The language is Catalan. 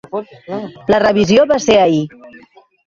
La revisió va ser ahir.